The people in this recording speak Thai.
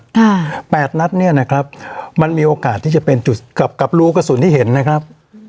แปดนัดเนี้ยนะครับมันมีโอกาสที่จะเป็นจุดกับกับรูกระสุนที่เห็นนะครับ